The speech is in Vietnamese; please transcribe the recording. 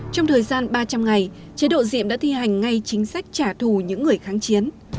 trong thời gian ba trăm linh ngày chế độ diệm đã thi hành ngay chính sách trả thù những người kháng chiến